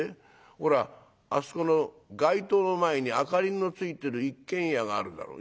「ほらあそこの街灯の前に明かりのついてる一軒家があるだろ」。